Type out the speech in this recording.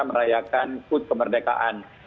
merayakan hut pemberdekaan